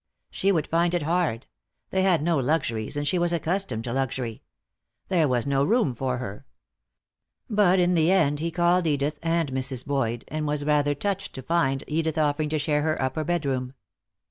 She would find it hard. They had no luxuries, and she was accustomed to luxury. There was no room for her. But in the end he called Edith and Mrs. Boyd, and was rather touched to find Edith offering to share her upper bedroom.